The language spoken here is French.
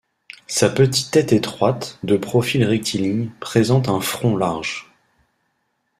Sa petite tête étroite, de profil rectiligne, présente un front large.